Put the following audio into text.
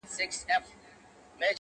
درومم چي له ښاره روانـــــېـــږمــــه~